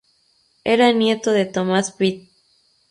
Era nieto de Thomas Pitt.